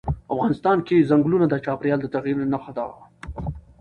افغانستان کې ځنګلونه د چاپېریال د تغیر نښه ده.